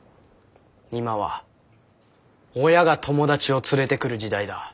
今は親が友達を連れてくる時代だ。